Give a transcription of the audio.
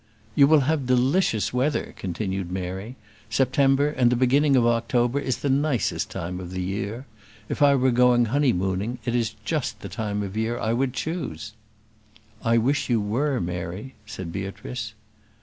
"You will have delicious weather," continued Mary. "September, and the beginning of October, is the nicest time of the year. If I were going honeymooning it is just the time of year I would choose." "I wish you were, Mary," said Beatrice.